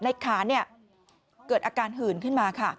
ในค้านเนี่ยเกิดอาการหื่นขึ้นมา